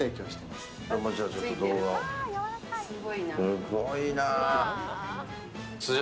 すごいな。